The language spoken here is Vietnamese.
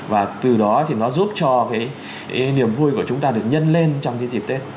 và từ đó thì nó giúp cho cái niềm vui của chúng ta được nhân lên trong cái dịp tết